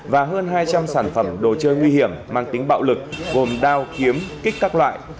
và hơn hai trăm linh sản phẩm đồ chơi nguy hiểm mang tính bạo lực gồm đao kiếm kích các loại